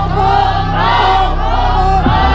จุ๊บโฆโฆโฆ